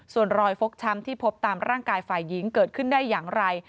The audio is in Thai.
ส่วนรอยฟกช้ำที่พบตามร่างกายฝ่ายหญิงเกิดขึ้นได้อย่างไร